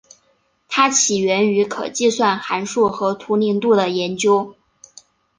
它起源于可计算函数和图灵度的研究。